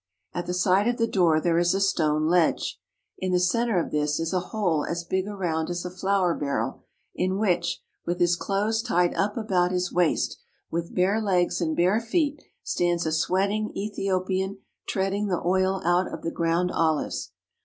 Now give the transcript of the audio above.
At the side of the door there is a stone ledge. In the centre of this is a hole as big around as a flour barrel in which, with his clothes tied up about his waist, with bare legs and bare feet, stands a sweating Ethiopian treading the oil out of the ground olives.